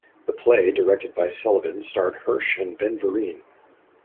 The play, directed by Sullivan starred Hirsch and Ben Vereen.